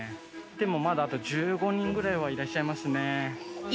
でもまだあと１５人ぐらいはいらっしゃいますね。